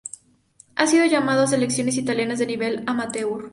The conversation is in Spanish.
Ha sido llamado a selecciones italianas de nivel amateur.